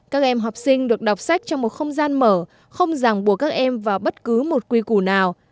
các em học sinh được đọc sách trong một không gian mở không giảng buộc các em vào bất cứ một quy củ nào